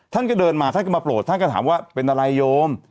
ท่านก็เดินมาท่านก็มาโปรดท่านก็ถามว่าเป็นอะไรโยม